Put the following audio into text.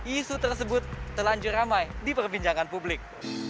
isu tersebut telanjur ramai di perbincangan publik